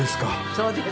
そうです。